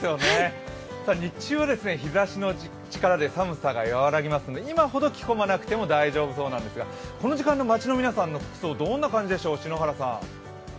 日中は日ざしの力で寒さがやわらぎますので今ほど着こまなくても大丈夫そうなんですがこの時間の街の皆さんの服装どんな感じでしょう、篠原さん。